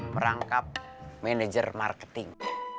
merangkap manager marketing